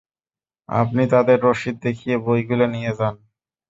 আপনি তাদের রসিদ দেখিয়ে বইগুলো নিয়ে যান।